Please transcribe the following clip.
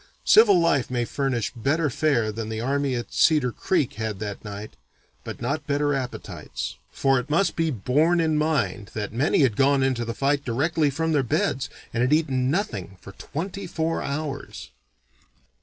Civil life may furnish better fare than the army at Cedar Creek had that night, but not better appetites; for it must be borne in mind that many had gone into the fight directly from their beds and had eaten nothing for twenty four hours.